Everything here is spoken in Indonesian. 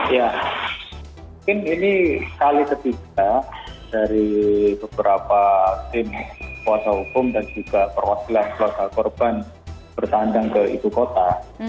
ya mungkin ini kali ketiga dari beberapa tim kuasa hukum dan juga perwakilan keluarga korban bertandang ke ibu kota